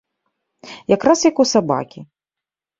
Якраз як у сабакі.